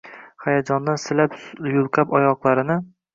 Hayajondan silab-yulqab oyoqlarini